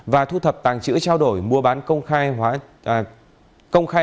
và thu thập tàng chữ trao đổi mua bán công khai